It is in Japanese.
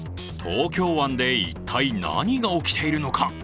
東京湾で一体、何が起きているのか。